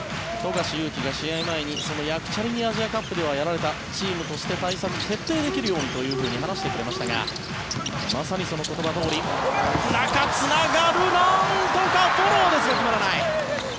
富樫勇樹が試合前にヤクチャリにアジアカップではやられたチームとして対策徹底できるようにと話してくれましたがまさにその言葉どおり中につながるか決まらない。